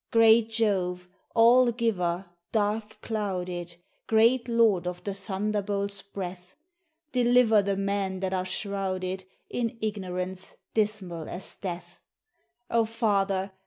Great Jove, all giver, d&rk clouded, .ureal Lord of the thunderbolt's breath ! Deliver the men thai are shrouded in ignorance dismal as death. o Father!